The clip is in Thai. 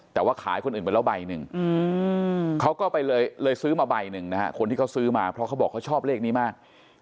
แต่ว่าขายคนอื่นไปแล้วใบหนึ่งเขาก็เลยซื้อมาใบหนึ่งนะฮะคนที่เขาซื้อมาเพราะเขาบอกเขาชอบเลขนี้มาก